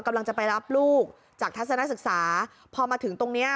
กำลังจะไปรับลูกจากทัศนศึกษาพอมาถึงตรงเนี้ย